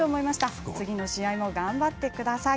次の試合も頑張ってください。